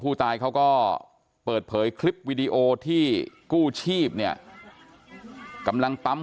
ผู้ตายเขาก็เปิดเผยคลิปวิดีโอที่กู้ชีพเนี่ยกำลังปั๊ม